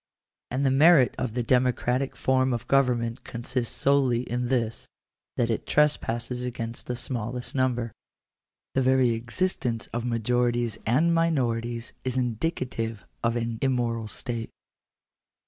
And the merit of the democratic form of government consists solely in this, that it trespasses against the smallest number. The very existence of majorities and minorities is indicative of an immoral state.